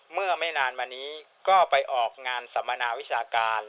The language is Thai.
เมื่อไม่นานมานี้ก็ไปออกงานสัมมนาวิชาการ